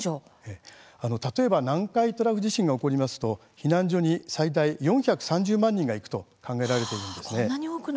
例えば南海トラフ地震が起こりますと避難所に最大４３０万人が行くと考えられているんですね。